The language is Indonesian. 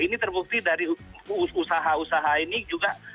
ini terbukti dari usaha usaha ini juga